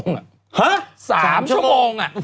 ๓ชั่วโมง